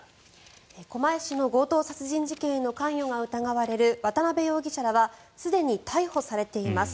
狛江市の強盗殺人事件への関与が疑われる渡邉容疑者らはすでに逮捕されています。